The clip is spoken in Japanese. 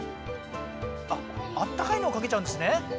あっあったかいのをかけちゃうんですね！